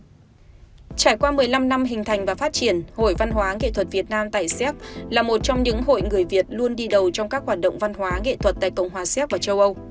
trải qua một mươi năm năm hình thành và phát triển hội văn hóa nghệ thuật việt nam tại séc là một trong những hội người việt luôn đi đầu trong các hoạt động văn hóa nghệ thuật tại cộng hòa xéc và châu âu